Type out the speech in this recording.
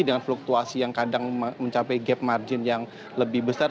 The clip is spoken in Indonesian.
dengan fluktuasi yang kadang mencapai gap margin yang lebih besar